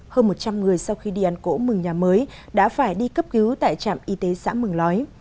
hơn một trăm linh người sau khi đi ăn cỗ mừng nhà mới đã phải đi cấp cứu tại trạm y tế xã mường lói